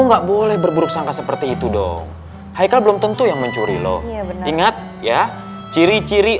enggak boleh berburuk sangka seperti itu dong haikal belum tentu yang mencuri lo ingat ya ciri ciri